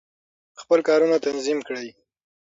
خپل کارونه تنظیم کړئ.